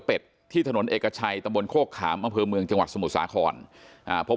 เป็ดที่ถนนเอกชัยตำบลโคกขามมมจังหวัดสมุทรสาขรอ่าพบ